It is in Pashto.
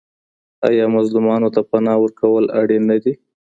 آيا مظلومانو ته پناه ورکول اړين نه دي؟